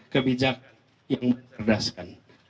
kebijakan yang mencerdaskan